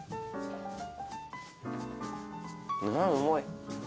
うまい。